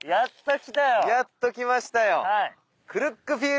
やっと来ましたよ。